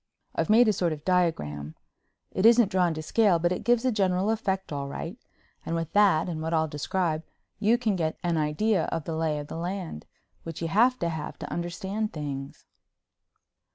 I've made a sort of diagram—it isn't drawn to scale but it gives the general effect, all right—and with that and what I'll describe you can get an idea of the lay of the land, which you have to have to understand things.